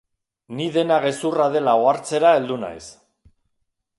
Ni dena gezurra dela ohartzera heldu naiz.